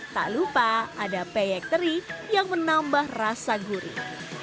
tak lupa ada peyek teri yang menambah rasa gurih